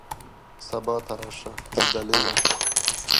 سبا ته راشه ، زه دلې یم .